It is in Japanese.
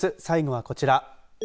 最後はこちら。